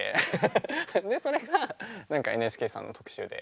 それが何かＮＨＫさんの特集で。